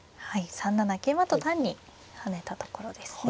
３七桂馬と単に跳ねたところですね。